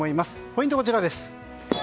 ポイントはこちらです。